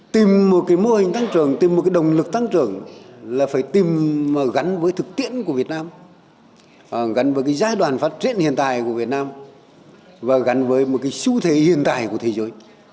tìm một cái mô hình tăng trưởng tìm một cái động lực tăng trưởng là phải tìm gắn với thực tiễn của việt nam gắn với cái giai đoạn phát triển hiện tại của việt nam và gắn với một cái xu thế hiện tại của thế giới